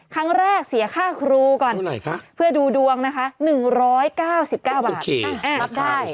เสียค่าครูก่อนเพื่อดูดวงนะคะ๑๙๙บาทรับได้